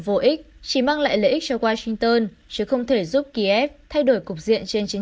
vô ích chỉ mang lại lợi ích cho washington chứ không thể giúp kiev thay đổi cục diện trên chiến